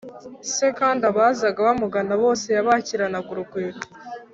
c kandi abazaga bamugana bose yabakiranaga urugwiro